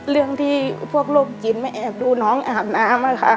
เรื่องที่พวกโรคจิตไม่แอบดูน้องอาบน้ำค่ะ